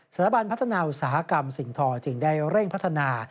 สถาบันพัฒนาอุตสาหกรรมสิ่งทอจึงได้เร่งพัฒนา